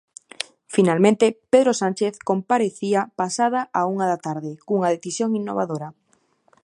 Finalmente, Pedro Sánchez comparecía pasada a unha da tarde cunha decisión innovadora.